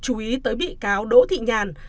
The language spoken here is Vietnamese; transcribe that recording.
chú ý tới bị cáo đỗ thị nhàn